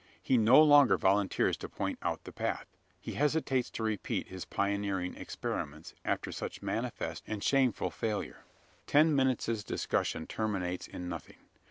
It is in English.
He no longer volunteers to point out the path. He hesitates to repeat his pioneering experiments after such manifest and shameful failure. A ten minutes' discussion terminates in nothing.